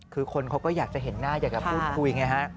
คือคนเขาก็อยากจะเห็นหน้าอยากจะพูดคุยไงฮะ